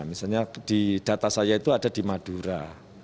misalnya di data saya itu ada di madura